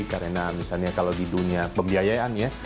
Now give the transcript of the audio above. karena misalnya kalau di dunia pembiayaan ya